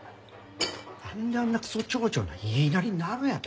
なんであんなクソ町長の言いなりになるんやて！